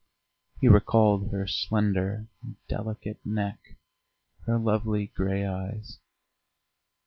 He recalled her slender, delicate neck, her lovely grey eyes.